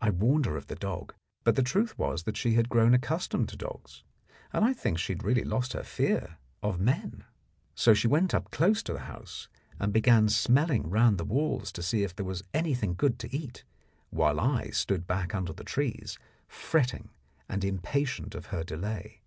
I warned her of the dog, but the truth was that she had grown accustomed to dogs, and I think had really lost her fear of men. So she went close up to the house, and began smelling round the walls to see if there was anything good to eat, while I stood back under the trees fretting and impatient of her delay.